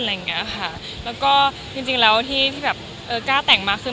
แล้วก็จริงแล้วที่แบบเออกล้าแต่งมากขึ้น